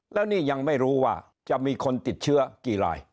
แล้วนี่ยังไม่รู้ว่าจะมีคนติดเชื้อกี่ราย